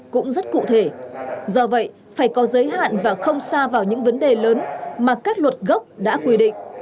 cũng rất cụ thể do vậy phải có giới hạn và không xa vào những vấn đề lớn mà các luật gốc đã quy định